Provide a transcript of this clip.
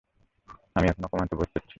আমি এখনও অপমানিত বোধ করছি।